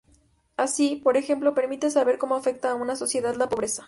Así, por ejemplo permite saber cómo afecta a una sociedad la pobreza.